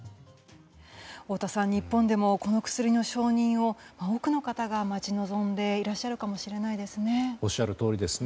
太田さん、日本でもこの薬の承認を多くの方が待ち望んでいらっしゃるかもしれないですね。